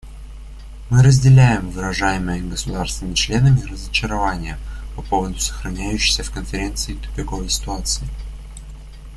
Мы разделяем выражаемое государствами-членами разочарование по поводу сохраняющейся в Конференции тупиковой ситуации.